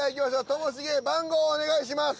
ともしげ番号をお願いします